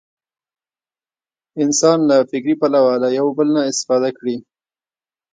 انسان له فکري پلوه له یو بل نه استفاده کړې.